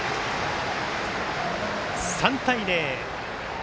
３対０。